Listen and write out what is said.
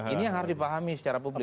ini yang harus dipahami secara publik